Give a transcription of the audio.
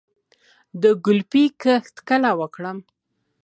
د ګلپي کښت کله وکړم؟